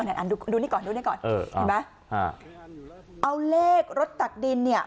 อ่าอ่านดูดูนี่ก่อนดูนี่ก่อนเอออ่าอ่าเอาเลขรถตักดินเนี้ย